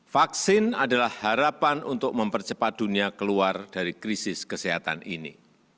vaksin adalah harapan untuk mempercepat dunia keluar dari krisis kesehatan ini